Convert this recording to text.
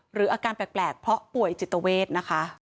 อาการแปลกเพราะป่วยจิตเวทนะคะ